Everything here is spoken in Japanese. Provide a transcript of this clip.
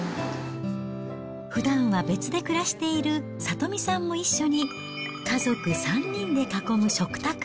ふだんは別で暮らしている智美さんも一緒に、家族３人で囲む食卓。